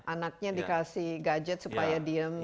anaknya dikasih gadget supaya diem